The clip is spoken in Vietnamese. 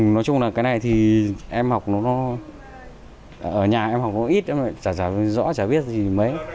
nói chung là cái này thì em học nó ở nhà em học nó ít chả rõ chả biết gì mấy